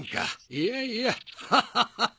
いやいやハハハハハ！